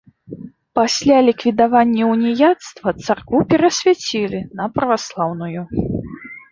Пасля ліквідавання ўніяцтва царкву пераасвяцілі на праваслаўную.